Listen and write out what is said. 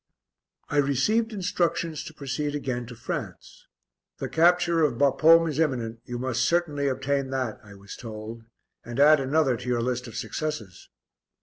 I received instructions to proceed again to France. "The capture of Bapaume is imminent, you must certainly obtain that," I was told, "and add another to your list of successes."